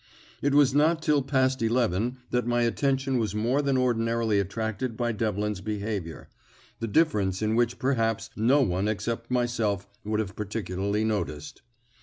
It was not till past eleven that my attention was more than ordinarily attracted by Devlin's behaviour, the difference in which perhaps no one except myself would have particularly noticed.